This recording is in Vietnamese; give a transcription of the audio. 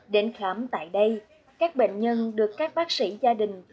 đến khám tại đây các bệnh nhân được các bác sĩ gia đình